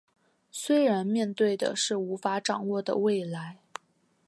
虽然面对的是无法掌握的未来